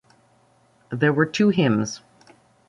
There were two hymns.